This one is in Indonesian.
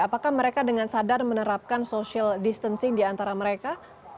apakah ada yang menurut anda yang akan menurutkan social distancing di antara mereka